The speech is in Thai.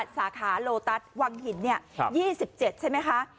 สาขาโลตัสวังหินยี่สิบเจ็ดใช่ไหมคะ